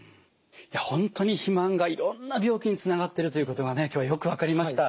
本当に肥満がいろんな病気につながっているということが今日はよく分かりました。